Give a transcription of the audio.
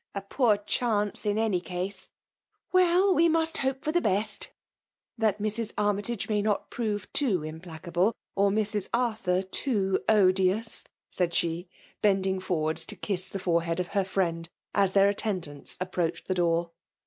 " A poor chance, in any case ! Well — ^we must hope fot the best ;— that Mrs. Armytage may not prove too implacable, or Mrs. Arthur too odious!'' said she, bending forward to kiss the forehead of her friend, as their attendants approached the door.